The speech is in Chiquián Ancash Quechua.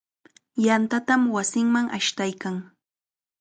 Yantatam wasinman ashtaykan.